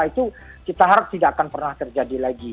itu kita harap tidak akan pernah terjadi lagi